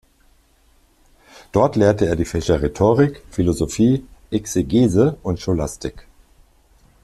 Dort lehrte er die Fächer Rhetorik, Philosophie, Exegese und Scholastik.